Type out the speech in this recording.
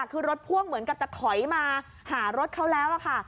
คือรถพ่วงเหมือนกับจะถอยมาหารถเขาแล้วค่ะ